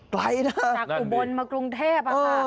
ไกลเลยจากอุบลมากรุงเทพ